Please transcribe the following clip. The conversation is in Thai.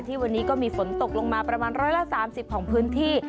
วันนี้ก็มีฝนตกลงมาประมาณ๑๓๐ของพื้นที่